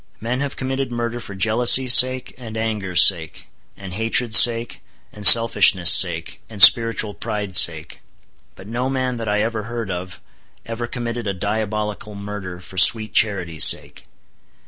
Men have committed murder for jealousy's sake, and anger's sake, and hatred's sake, and selfishness' sake, and spiritual pride's sake; but no man that ever I heard of, ever committed a diabolical murder for sweet charity's sake.